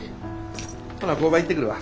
ほな工場行ってくるわ。